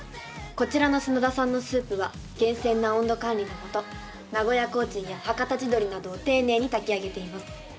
こちらの砂田さんのスープは厳正な温度管理の下名古屋コーチンやはかた地どりなどを丁寧に炊き上げています。